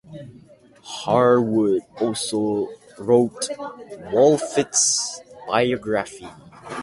Harwood also wrote Wolfit's biography.